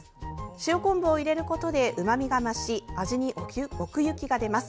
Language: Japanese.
塩昆布を入れることでうまみが増し味に奥行きが出ます。